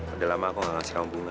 ada lama aku gak ngasih kamu bunga